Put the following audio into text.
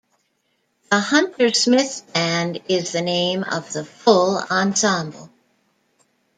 "The Hunter Smith Band" is the name of the full ensemble.